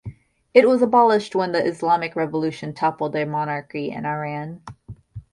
It was abolished when the Islamic Revolution toppled the monarchy in Iran.